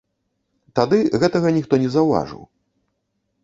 Тады гэтага ніхто не заўважыў.